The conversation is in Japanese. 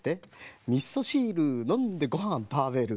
「みそしるのんでごはんたべる」